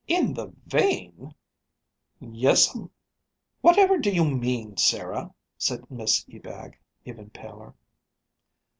"In the vane?" "Yes'm." "Whatever do you mean, Sarah?" asked Miss Ebag, even paler.